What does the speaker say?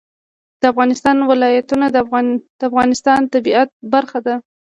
د افغانستان ولايتونه د افغانستان د طبیعت برخه ده.